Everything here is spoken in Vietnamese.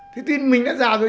thế thì mình đã già rồi